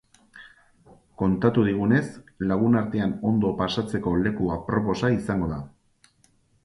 Kontatu digunez, lagun artean ondo pasatzeko leku aproposa izango da.